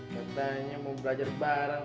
katanya mau belajar bareng